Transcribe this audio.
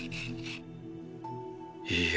いいえ